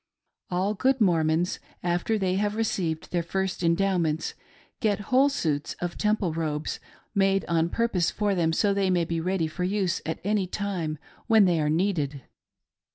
All good Mormons, after they have received their first Endowments, get whole suits of Temple robes made on pur pose for them so that they may be ready for use at any time when they are needed.